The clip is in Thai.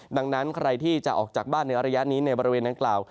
ดังนั้นใครที่จะออกจากบ้านในระยะนี้ในบริเวณดังกล่าว